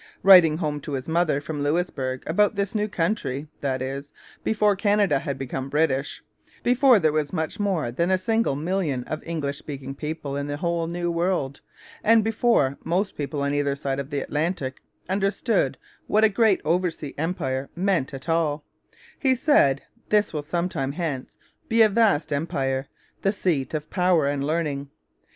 Writing home to his mother from Louisbourg about this new country, that is, before Canada had become British, before there was much more than a single million of English speaking people in the whole New World, and before most people on either side of the Atlantic understood what a great oversea empire meant at all, he said: 'This will sometime hence, be a vast empire, the seat of power and learning.